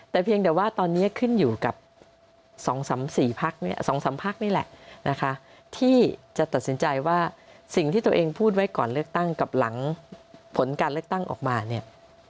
แต่เพียงแต่ว่าตอนนี้ขึ้นอยู่กับ๒๓๔พักเนี่ย๒๓พักนี่แหละนะคะที่จะตัดสินใจว่าสิ่งที่ตัวเองพูดไว้ก่อนเลือกตั้งกับหลังผลการเลือกตั้งออกมาเนี่ย